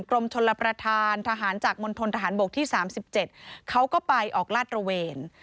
กรมชลประธานทหารจากมณฑนทหารบกที่๓๗เขาก็ไปออกลาดระเวน